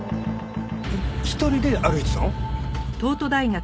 一人で歩いてたの？